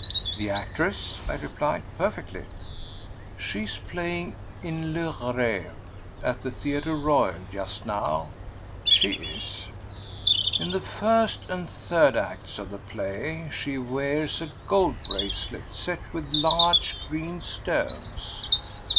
"The actress?" I replied. "Perfectly." "She is playing in Le Rêve at the Theatre Royal just now." "She is." "In the first and third acts of the play she wears a gold bracelet set with large green stones."